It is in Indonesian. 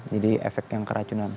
jadi efek yang keracunan